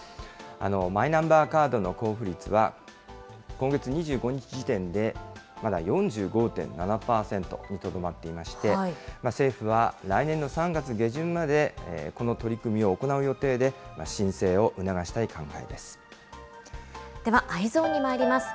マイナンバーカードの交付率は、今月２５日時点で、まだ４５．７％にとどまっていまして、政府は来年の３月下旬まで、この取り組みを行う予定で、申請を促したでは、Ｅｙｅｓｏｎにまいります。